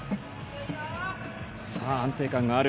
さあ、安定感がある。